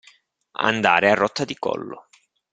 Andare a rotta di collo.